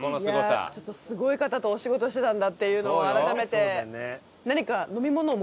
いやちょっとすごい方とお仕事してたんだっていうのを改めて。